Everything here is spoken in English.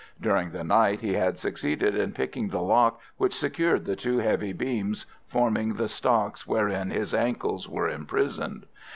During the night he had succeeded in picking the lock which secured the two heavy beams forming the stocks wherein his ankles were imprisoned.